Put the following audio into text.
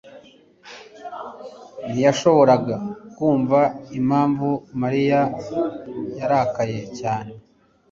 ntiyashoboraga kumva impamvu Mariya yarakaye cyane.